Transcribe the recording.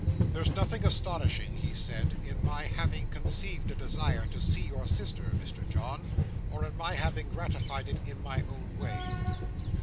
"There's nothing astonishing," he said, "in my having conceived a desire to see your sister, Mr John, or in my having gratified it in my own way.